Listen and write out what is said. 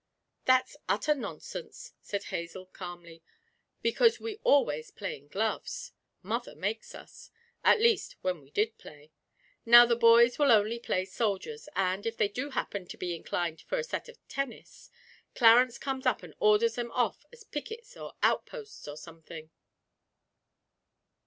'That's utter nonsense,' said Hazel, calmly, 'because we always play in gloves. Mother makes us. At least, when we did play. Now the boys will only play soldiers, and, if they do happen to be inclined for a set at tennis, Clarence comes up and orders them off as pickets or outposts, or something!'